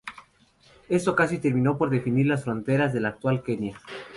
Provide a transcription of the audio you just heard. Esto casi terminó por definir las fronteras de la actual Kenya.